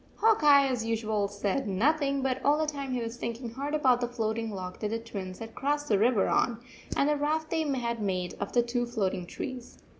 Hawk Eye, as usual, said nothing, but all the time he was thinking hard about the floating log that the Twins had crossed the river on, and the raft they had made of the two floating trees.